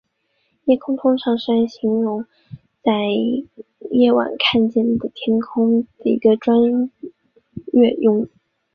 夜空通常是用来形容在夜晚看见的天空的一个专用术语。